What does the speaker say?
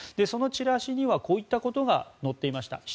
そのチラシにはこういったことが載っていました。